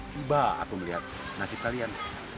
tiba aku melihat nasib kalian